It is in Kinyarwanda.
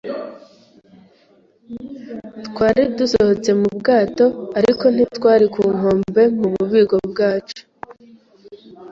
Twari dusohotse mu bwato, ariko ntitwari ku nkombe mu bubiko bwacu.